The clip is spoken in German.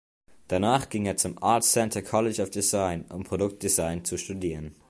Danach ging er zum „Art Center College of Design“ um Produktdesign zu studieren.